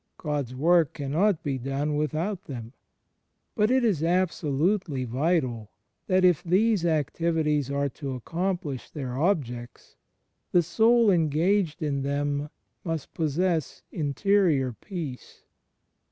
God's work cannot be done without them. But it is absolutely vital that, if these activities are to accomplish their objects, the soul engaged in them must possess Interior Peace.